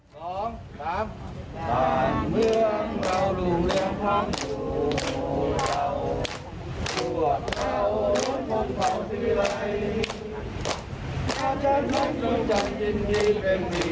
สองสาม